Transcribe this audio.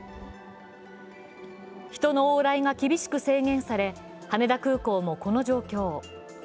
人の往来が厳しく制限され羽田空港もこの状況。